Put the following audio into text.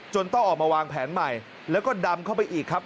ต้องออกมาวางแผนใหม่แล้วก็ดำเข้าไปอีกครับ